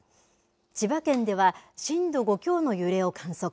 千葉県では震度５強の揺れを観測。